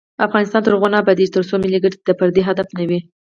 افغانستان تر هغو نه ابادیږي، ترڅو ملي ګټې د فردي هدف نه وي.